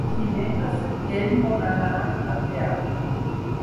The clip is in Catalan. Divendres en Quel vol anar al teatre.